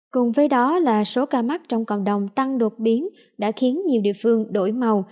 cùng với đó là số ca mắc trong cộng đồng tăng đột biến đã khiến nhiều địa phương đổi màu